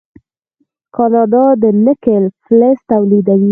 کاناډا د نکل فلز تولیدوي.